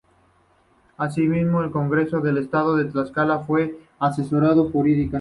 Asimismo, en el Congreso del Estado de Tlaxcala fue asesora jurídica.